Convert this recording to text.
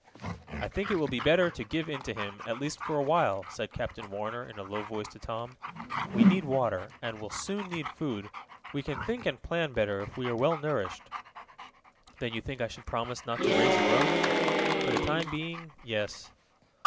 "I think it will be better to give in to him at least for a while," said Captain Warner in a low voice to Tom. "We need water, and will soon need food. We can think and plan better if we are well nourished." "Then you think I should promise not to raise a row?" "For the time being yes."